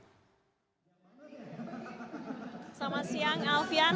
selamat siang alfian